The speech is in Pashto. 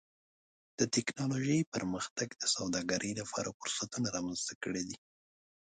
د ټکنالوجۍ پرمختګ د سوداګرۍ لپاره فرصتونه رامنځته کړي دي.